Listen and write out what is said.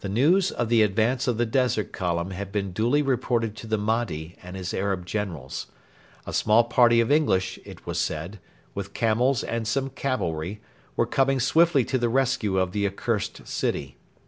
The news of the advance of the Desert Column had been duly reported to the Mahdi and his Arab generals. A small party of English, it was said, with camels and some cavalry, were coming swiftly to the rescue of the accursed city.